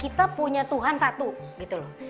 kita punya tuhan satu gitu loh